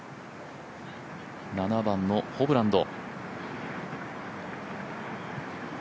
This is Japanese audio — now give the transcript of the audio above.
７番のホブランド。